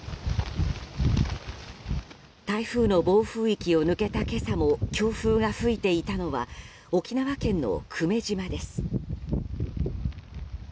台風の暴風域を抜けた今朝も強風が吹いていたのは沖縄県の久米島です。